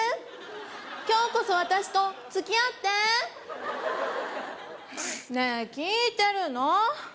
今日こそ私とつきあってねえ聞いてるの？